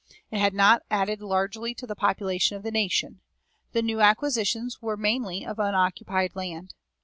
It had not added largely to the population of the nation; the new acquisitions were mainly of unoccupied land.